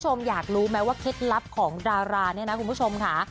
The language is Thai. อยากรู้ไหมว่าเคล็ดลับของดาราเนี่ยนะคุณผู้ชมค่ะ